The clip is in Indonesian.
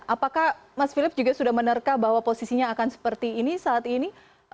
apakah mas philip juga sudah menerka bahwa posisinya akan seperti ini saat ini